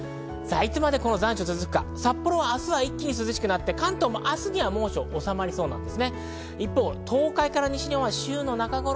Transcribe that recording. いつまでこの残暑が続くか、札幌は明日は一気に涼しくなり関東も明日には猛暑は収まりそうです。